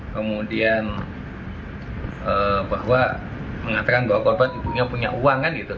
kemudian bahwa mengatakan bahwa korban ibunya punya uang kan gitu